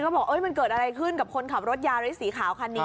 ก็บอกมันเกิดอะไรขึ้นกับคนขับรถยาริสสีขาวคันนี้